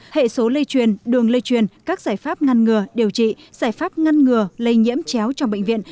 hệ số lây truyền đường lây truyền các giải pháp ngăn ngừa điều trị giải pháp ngăn ngừa lây nhiễm chéo trong bệnh viện